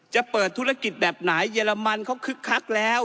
จะเปิดธุรกิจแบบไหนเยอรมันเขาคึกคักแล้ว